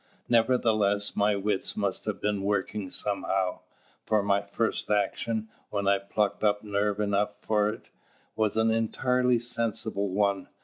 Nevertheless, my wits must have been working somehow; for my first action, when I plucked up nerve enough for it, was an entirely sensible one.